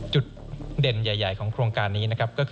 จุดเด่นใหญ่ของโครงการนี้